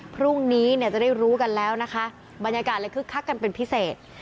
พรุ่งนี้เนี่ยจะได้รู้กันแล้วนะคะบรรยากาศเลยคึกคักกันเป็นพิเศษ